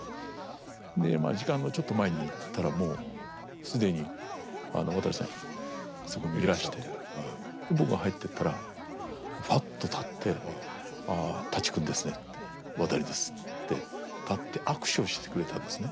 でまあ時間のちょっと前に行ったらもう既に渡さんそこにいらして僕が入ってったらふぁっと立って「ああ舘君ですね」って「渡です」って立って握手をしてくれたんですね。